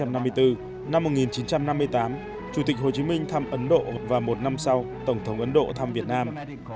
năm một nghìn chín trăm năm mươi tám chủ tịch hồ chí minh thăm ấn độ và một năm sau tổng thống ấn độ thăm việt nam